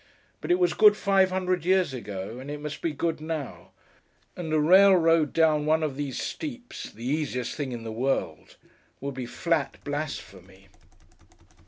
But it was good five hundred years ago, and it must be good now: and a railroad down one of these steeps (the easiest thing in the world) would be flat blasphemy.